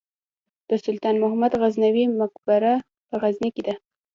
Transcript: د سلطان محمود غزنوي مقبره په غزني کې ده